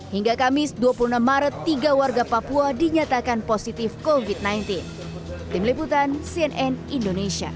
hingga kamis dua puluh enam maret tiga warga papua dinyatakan positif covid sembilan belas